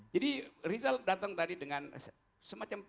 jadi rizal datang tadi dengan semacam